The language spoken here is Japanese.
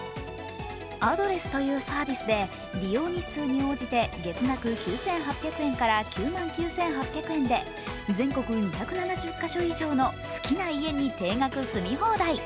ＡＤＤｒｅｓｓというサービスで利用日数に応じて月額９８００円から９万９８００円で全国２７０か所以上の好きな家に定額住み放題。